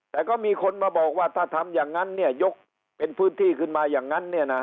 แต่ก็มีคนมาบอกว่าถ้าทำอย่างนั้นเนี่ยยกเป็นพื้นที่ขึ้นมาอย่างนั้นเนี่ยนะ